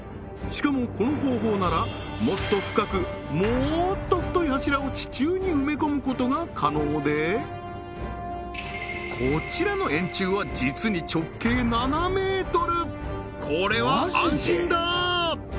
しかもこの方法ならもっと深くもっと太い柱を地中に埋め込むことが可能でこちらの円柱は実に直径７ｍこれは安心だ！